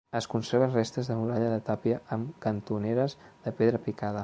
Es conserven restes de muralla de tàpia amb cantoneres de pedra picada.